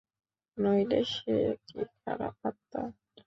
নইলে সে কি খারাপ আত্মা?